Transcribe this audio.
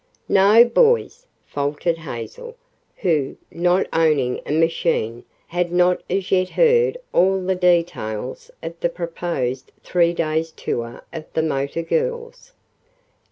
"No boys!" faltered Hazel, who, not owning a machine, had not as yet heard all the details of the proposed three days' tour of the motor girls.